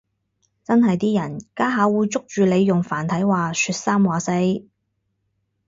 真係啲人家下會捉住你用繁體話說三話四